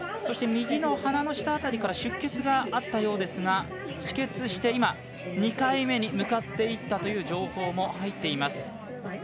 右の鼻の下辺りから出血があったようですが止血して２回目に向かっていったという情報も入っています。